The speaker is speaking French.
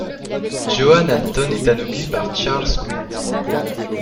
Johann Anton est anobli par Charles Quint.